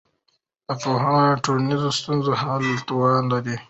پوهه د ټولنیزو ستونزو د حل توان لري.